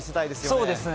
そうですね。